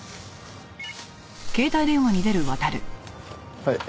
はい。